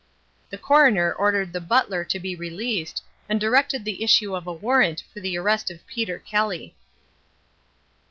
The coroner ordered the butler to be released, and directed the issue of a warrant for the arrest of Peter Kelly.